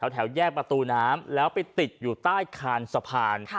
แถวแยกประตูน้ำแล้วไปติดอยู่ใต้คานสะพาน